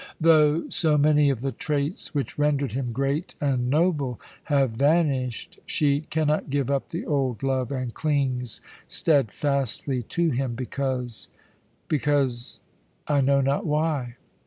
"Though so many of the traits which rendered him great and noble have vanished, she can not give up the old love and clings steadfastly to him because, because I know not why.